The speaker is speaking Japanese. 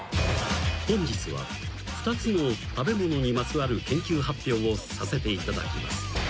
［本日は２つの食べ物にまつわる研究発表をさせていただきます］